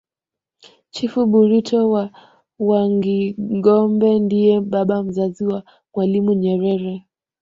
chifu burito wa wangingombe ndiye baba mzazi wa mwalimu nyerere